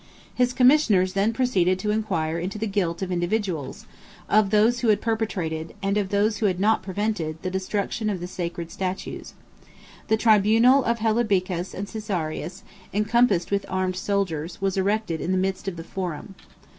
His commissioners then proceeded to inquire into the guilt of individuals; of those who had perpetrated, and of those who had not prevented, the destruction of the sacred statues. The tribunal of Hellebicus and Caesarius, encompassed with armed soldiers, was erected in the midst of the Forum.